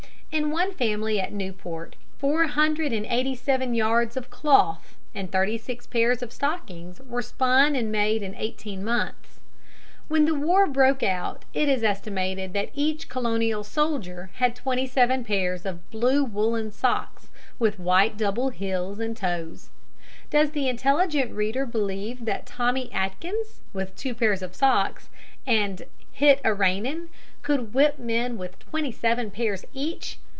In one family at Newport four hundred and eighty seven yards of cloth and thirty six pairs of stockings were spun and made in eighteen months. When the war broke out it is estimated that each Colonial soldier had twenty seven pairs of blue woollen socks with white double heels and toes. Does the intelligent reader believe that "Tommy Atkins," with two pairs of socks "and hit a rainin'," could whip men with twenty seven pairs each?